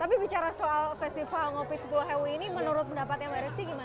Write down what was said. tapi bicara soal festival ngopi sepuluh hewi ini menurut pendapatnya mbak desti gimana